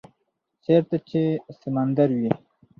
- چیرته چې سمندر وی،